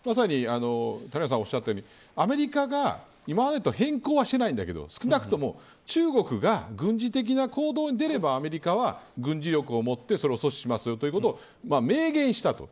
谷原さんがおっしゃったようにアメリカが今までと変更はしてないんだけど少なくとも中国が軍事的な行動に出ればアメリカは軍事力を持ってそれを阻止しますということを明言した。